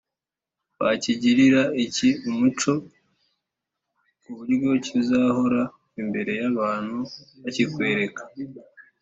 wakigirira iki umuco ku buryo kizahora imbere y’abantu bakikwereka